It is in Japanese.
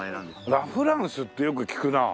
ラ・フランスってよく聞くなあ。